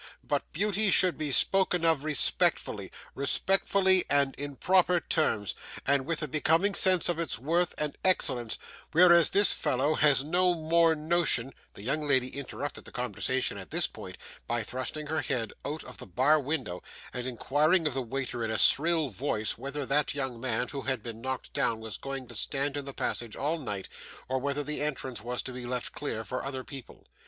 But beauty should be spoken of respectfully respectfully, and in proper terms, and with a becoming sense of its worth and excellence, whereas this fellow has no more notion ' The young lady interrupted the conversation at this point, by thrusting her head out of the bar window, and inquiring of the waiter in a shrill voice whether that young man who had been knocked down was going to stand in the passage all night, or whether the entrance was to be left clear for other people.